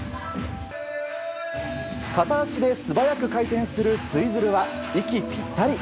片足で素早く回転するツイズルは息ぴったり。